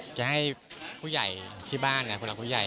จะให้ผู้ใหญ่ที่บ้านผู้หลักผู้ใหญ่